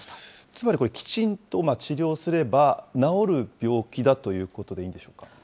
つまりこれ、きちんと治療すれば、治る病気だということでいはい。